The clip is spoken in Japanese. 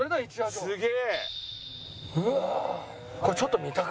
すげえ！